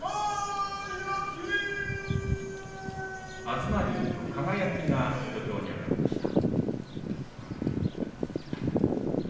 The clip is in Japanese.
東龍と輝が土俵に上がりました。